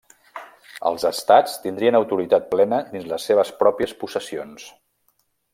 Els estats tindrien autoritat plena dins les seves pròpies possessions.